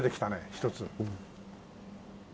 １つ。